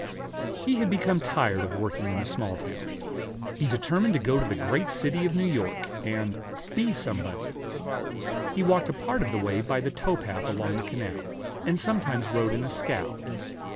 He had become tired of working in the small towns; he determined to go to the great city of New York, and "be somebody." He walked a part of the way by the tow path along the canal, and sometimes rode in a scow.